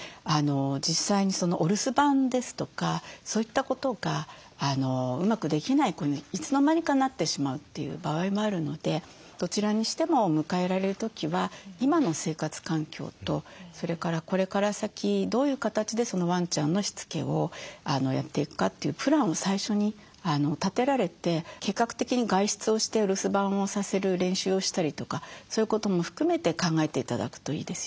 実際にお留守番ですとかそういったことがうまくできない子にいつの間にかなってしまうという場合もあるのでどちらにしても迎えられる時は今の生活環境とそれからこれから先どういう形でそのワンちゃんのしつけをやっていくかというプランを最初に立てられて計画的に外出をしてお留守番をさせる練習をしたりとかそういうことも含めて考えて頂くといいですよね。